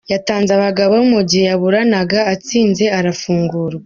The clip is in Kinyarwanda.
Yatanze abagabo mu gihe yaburanaga, atsinze arafungurwa.